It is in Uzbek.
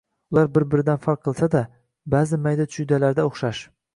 Ular bir-biridan farq qilsa-da, ba`zi mayda-chuydalarda o`xshash